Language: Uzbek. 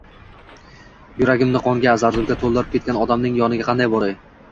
Yuragimni qonga, zardobga to`ldirib ketgan odamning yoniga qanday boray